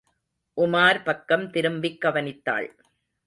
உமார் பக்கம் திரும்பிக் கவனித்தாள்.